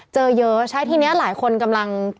เจอเยอะใช่ทีนี้หลายคนกำลัง